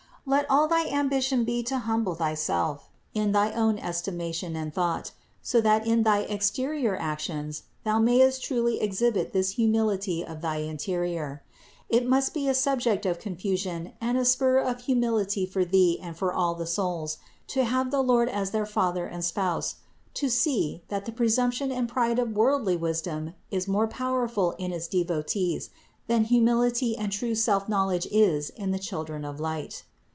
Let all thy ambition be to humble thyself in. thy own estimation and thought, so that in thy exterior actions thou mayest truly exhibit this humility of thy interior. It must be a sub ject of confusion and a spur of humility for thee and for all the souls to have the Lord as their Father and Spouse, to see, that the presumption and pride of worldly wisdom is more powerful in its devotees, than humility and true self knowledge is in the children of light.